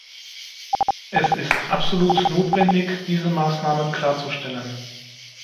Es ist absolut notwendig, diese Maßnahmen klarzustellen.